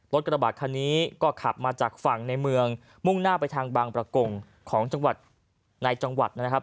กระบาดคันนี้ก็ขับมาจากฝั่งในเมืองมุ่งหน้าไปทางบางประกงของจังหวัดในจังหวัดนะครับ